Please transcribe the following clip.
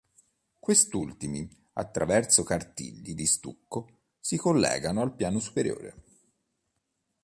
Questi ultimi, attraverso cartigli di stucco, si collegano al piano superiore.